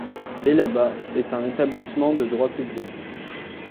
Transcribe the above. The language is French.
Helaba est un établissement de droit public.